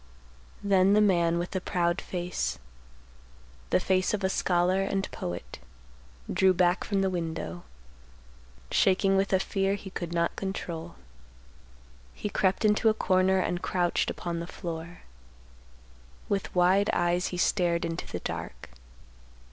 _ Then the man with the proud face, the face of a scholar and poet, drew back from the window, shaking with a fear he could not control. He crept into a corner and crouched upon the floor. With wide eyes, he stared into the dark.